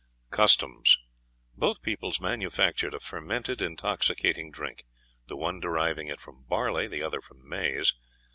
Customs. Both peoples manufactured a fermented, intoxicating drink, the one deriving it from barley, the other from maize.